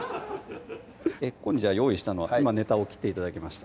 ここに用意したのは今ネタを切って頂きました